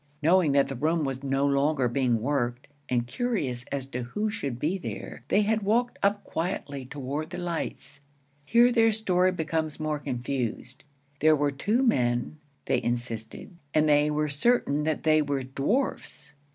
Knowing that the room was no longer being worked, and curious as to who should be there, they had walked up quietly toward the lights. Here their story became more confused. There were two men, they insisted, and they were certain that they were dwarfs.